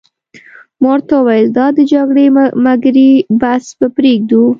ما ورته وویل: دا د جګړې مګړې بحث به پرېږدو.